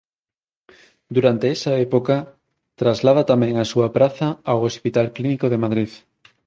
Durante esa época traslada tamén a súa praza ao Hospital Clínico de Madrid.